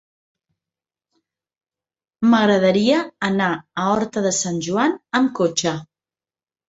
M'agradaria anar a Horta de Sant Joan amb cotxe.